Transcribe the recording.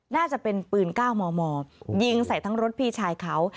น่าจะเป็นปืน๙มมยิงใส่ทั้งรถพี่ชายเขา